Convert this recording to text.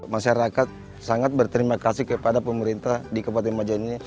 masyarakat sangat berterima kasih kepada pemerintah di kabupaten majani ini